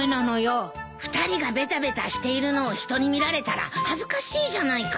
２人がベタベタしているのを人に見られたら恥ずかしいじゃないか。